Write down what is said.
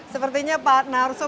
sepertinya pak narso